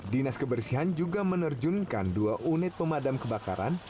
dinas kebersihan juga menerjunkan dua unit pemadam kebakaran